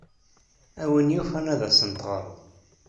A win yufan ad asent-teɣred.